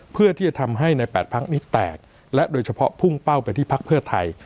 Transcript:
เพื่อที่จะทำให้ใน๘พักนี้แตกและโดยเฉพาะพุ่งเป้าไปที่พักเพื่อไทย